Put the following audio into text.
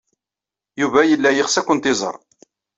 Yuba yella yeɣs ad kent-iẓer.